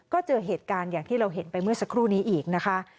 ก็เจอเหตุการณ์อย่างที่เราเห็นไปเมื่อสักครู่นี้อีกนะคะ